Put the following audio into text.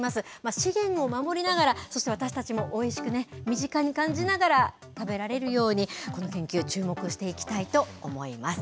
資源を守りながら、そして私たちもおいしくね、身近に感じながら食べられるように、この研究、注目していきたいと思います。